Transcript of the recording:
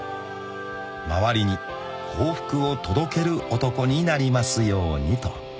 ［周りに幸福を届ける男になりますようにと］